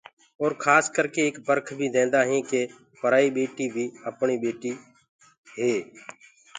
اور اڪسر ايڪ پهاڪو بيٚ ديندآ هينٚ ڪي پرائي ٻيٽي بي اپڻي هي ٻيٽي هي۔